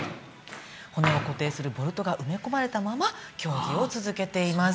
骨を固定するボルトが埋め込まれたまま競技を続けています。